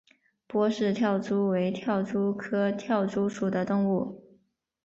波氏跳蛛为跳蛛科跳蛛属的动物。